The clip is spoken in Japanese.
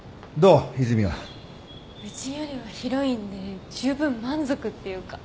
うちよりは広いんでじゅうぶん満足っていうか。